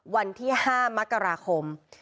วันที่๕มกราคม